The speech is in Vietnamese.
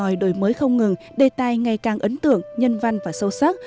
đòi đổi mới không ngừng đề tài ngày càng ấn tượng nhân văn và sâu sắc